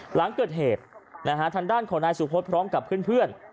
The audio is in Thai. หลังเกิดเหตุนะฮะทางด้านของนายสุพธพร้อมกับเพื่อน